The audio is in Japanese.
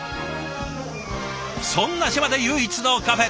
そんな島で唯一のカフェ。